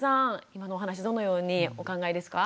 今のお話どのようにお考えですか？